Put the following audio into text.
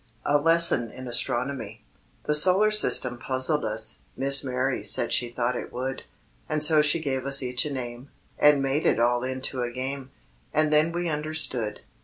A LESSON IN ASTRONOMY. The solar system puzzled us, Miss Mary said she thought it would, And so she gave us each a name, And made it all into a game, And then we understood.